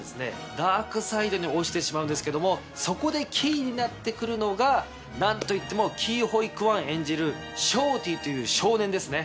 ダークサイドに落ちてしまうんですけどもそこでキーになって来るのが何といってもキー・ホイ・クァン演じるショーティという少年ですね。